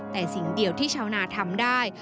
แต่สิ่งเดียวที่ชาวนาทำได้